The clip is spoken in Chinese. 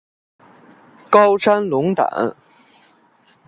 高山龙胆